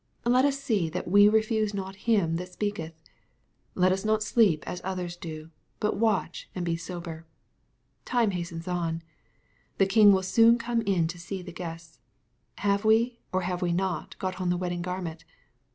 Let us see that we refuse not him that speaketh. Let us not sleep as others do, but watch and be sober. Time hastens on. TThe King will soon come in to see the guests. Have we or have we not got on the wedding garment